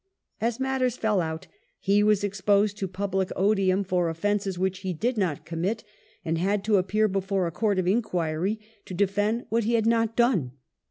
As matters fell out, he was exposed to public odium for oflfences which he did not commit, and had to appear before a Court of Inquiry to defend what he had not done.